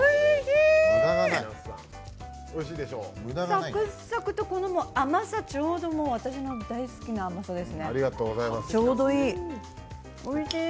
サクサクと、甘さがちょうど私の大好きな甘さですね、ちょうどいい。